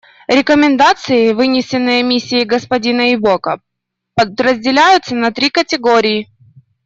Рекомендации, вынесенные Миссией господина Ибока, подразделяются на три категории.